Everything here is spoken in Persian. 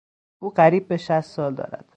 او قریب به شصت سال دارد.